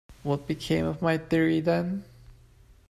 What became of my theory then?